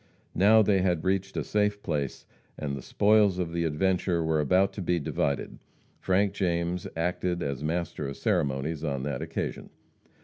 Now they had reached a safe place, and the spoils of the adventure were about to be divided. Frank James acted as master of ceremonies on that occasion.